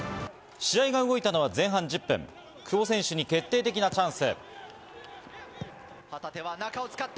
試合が動いたのは前半１０分、久保選手に決定的なチャンス。